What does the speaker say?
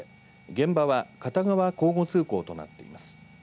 現場は片側交互通行となっています。